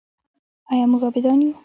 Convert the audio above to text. آیا موږ عابدان یو؟